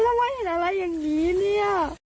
กูทำไมเห็นอะไรอย่างนี้เนี่ย